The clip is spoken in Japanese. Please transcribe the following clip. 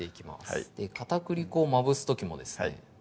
はい片栗粉をまぶす時もですね